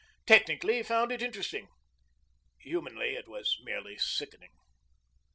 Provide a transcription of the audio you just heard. Technically, he found it interesting; humanly, it was merely sickening.